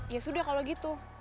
ya sudah kalau gitu